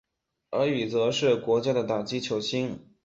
而与则是皇家的打击球星。